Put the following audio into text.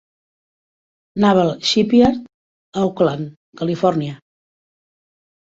Naval Shipyard a Oakland, Califòrnia.